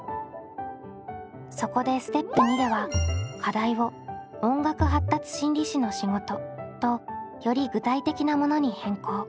そこでステップ②では課題を「音楽発達心理士の仕事」とより具体的なものに変更。